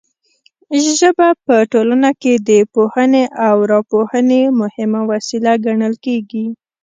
ژبه په ټولنه کې د پوهونې او راپوهونې مهمه وسیله ګڼل کیږي.